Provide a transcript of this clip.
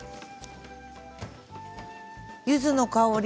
ゆずの香り。